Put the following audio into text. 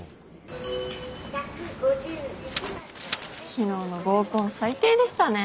昨日の合コン最低でしたね。